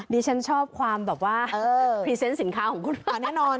ดิฉันชอบความแบบว่าพรีเซนต์สินค้าของคุณ